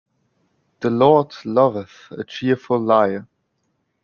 The Lord loveth a cheerful liar.